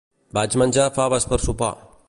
Vaig menjar faves per sopar.